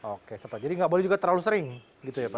oke jadi nggak boleh juga terlalu sering gitu ya pak